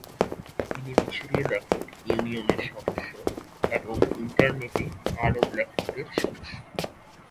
তিনি মিশরীয় লেখক ইউনিয়নের সদস্য এবং ইন্টারনেটে আরব লেখকদের সদস্য।